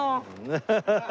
アハハハ。